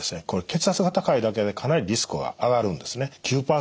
これ血圧が高いだけでかなりリスクは上がるんですね。